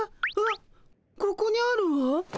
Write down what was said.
あっここにあるわ。